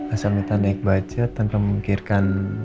asal minta naik budget tanpa memikirkan